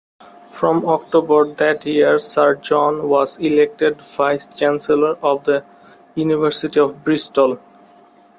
From October that year, Sir John was elected Vice-Chancellor of the University of Bristol.